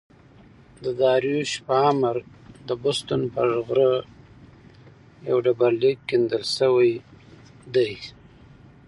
داریوش په امر د بستون پر غره یو ډبر لیک کیندل سوی دﺉ.